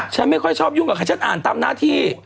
ฉันไม่ค่อยชอบยุ่งกับใครฉันอ่านตามหน้าที่